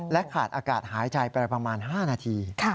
ขาดอากาศหายใจไปประมาณ๕นาที